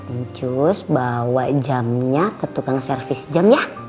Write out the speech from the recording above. incus bawa jamnya ke tukang servis jam ya